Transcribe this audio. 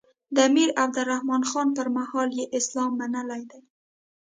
د امیر عبدالرحمان خان پر مهال یې اسلام منلی دی.